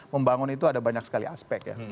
membangun itu ada banyak sekali aspek ya